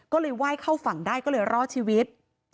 ก็เลยไหว้เข้าฝั่งได้ก็เลยรอดชีวิต